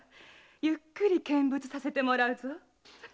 ゆっくり見物させてもらうぞ。